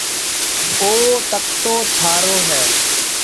او تڪتو ٿارو هيَ